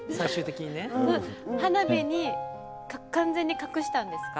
花火に完全に隠したんですか？